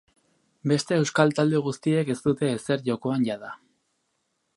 Beste euskal talde guztiek ez dute ezer jokoan jada.